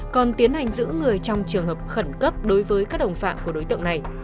còn tiến hành giữ người trong trường hợp khẩn cấp đối với các đồng phạm của đối tượng này